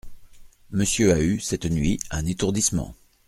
Monsieur a eu, cette nuit, un étourdissement.